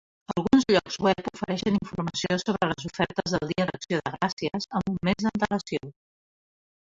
Alguns llocs web ofereixen informació sobre les ofertes del dia d'acció de gràcies amb un mes d'antelació.